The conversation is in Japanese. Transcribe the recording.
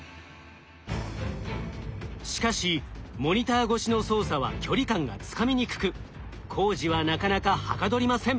しかしモニター越しの操作は距離感がつかみにくく工事はなかなかはかどりません。